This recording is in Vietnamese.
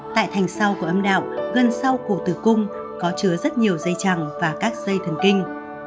tại thành sau của âm đạo gần sau cổ tử cung có chứa rất nhiều dây chẳng và các dây thần kinh